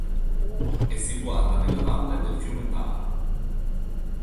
È situata nella valle del fiume Thar.